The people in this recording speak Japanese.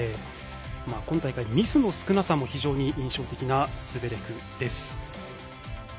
今大会はミスの少なさも印象的なズベレフです。